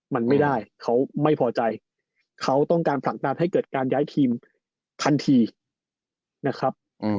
มันไม่ได้เขาไม่พอใจเขาต้องการผลักดันให้เกิดการย้ายทีมทันทีนะครับ